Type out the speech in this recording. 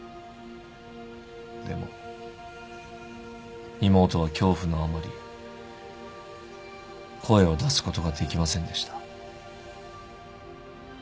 でも妹は恐怖のあまり声を出すことができませんでした。